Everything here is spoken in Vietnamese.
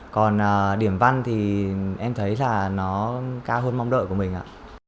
còn điểm văn thì em thấy là nó cao hơn mong đợi của mình ạ